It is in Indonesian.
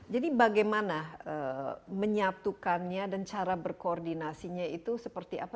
jadi bagaimana menyatukannya dan cara berkoordinasinya itu seperti apa